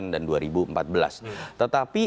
dan dua ribu empat belas tetapi